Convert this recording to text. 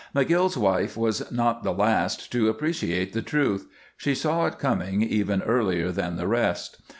McGill's wife was not the last to appreciate the truth; she saw it coming even earlier than the rest.